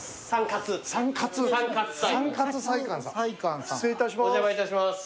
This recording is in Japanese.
失礼いたします。